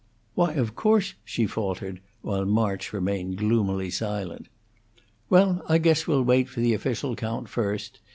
"Why, of course," she faltered, while March remained gloomily silent. "Well, I guess we'll wait for the official count, first.